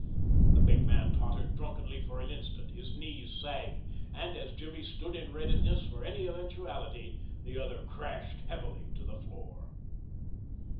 The big man tottered drunkenly for an instant, his knees sagged, and, as Jimmy stood in readiness for any eventuality, the other crashed heavily to the floor.